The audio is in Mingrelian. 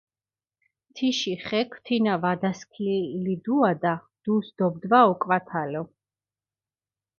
თიში ხექ თინა ვადასქილიდუადა, დუს დობდვა ოკვათალო.